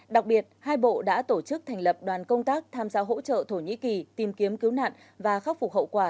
đặc biệt hai bộ đã tổ chức thành lập đoàn công tác tham gia hỗ trợ thổ nhĩ kỳ tìm kiếm cứu nạn và khắc phục hậu quả